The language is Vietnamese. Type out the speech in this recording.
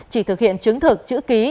chỉ thực hiện chứng thực chữ ký